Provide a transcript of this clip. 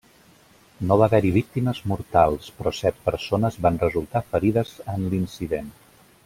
No va haver-hi víctimes mortals, però set persones van resultar ferides en l'incident.